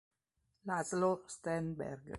László Sternberg